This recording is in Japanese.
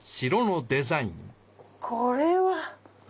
これは。